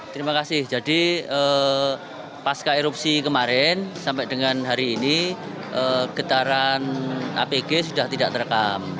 terima kasih jadi pasca erupsi kemarin sampai dengan hari ini getaran apg sudah tidak terekam